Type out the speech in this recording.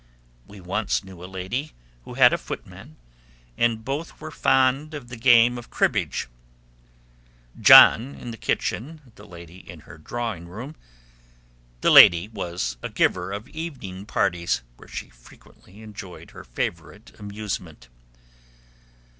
We once knew a lady who had a footman, and both were fond of a game of cribbage, John in the kitchen, the lady in her drawing room. The lady was a giver of evening parties, where she frequently enjoyed her favourite amusement.